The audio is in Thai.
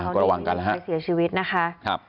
ก็ระวังกันนะฮะครับ